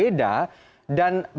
ada pemahaman pemahaman yang berbeda